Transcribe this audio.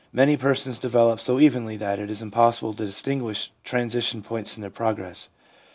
Many persons develop so evenly that it is impossible to distinguish transition points in their progress.